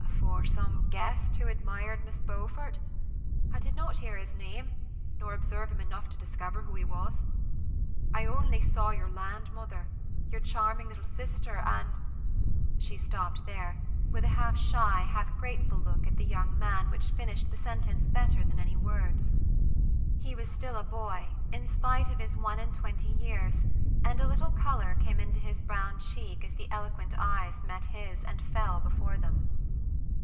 "For some guest who admired Miss Beaufort. I did not hear his name, nor observe him enough to discover who he was. I saw only your kind mother, your charming little sister, and " She stopped there, with a half shy, half grateful look at the young man which finished the sentence better than any words. He was still a boy, in spite of his one and twenty years, and a little color came into his brown cheek as the eloquent eyes met his and fell before them.